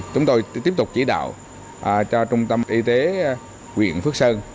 chúng tôi tiếp tục chỉ đạo cho trung tâm y tế huyện phước sơn